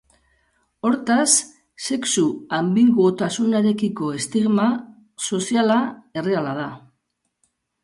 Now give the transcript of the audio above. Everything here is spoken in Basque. Hortaz sexu anbiguotasunarekiko estigma soziala erreala da.